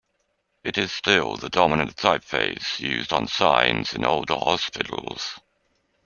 It is still the dominant typeface used on signs in older hospitals.